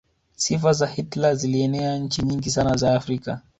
sifa za hitler zilienea nchi nyingi sana za afrika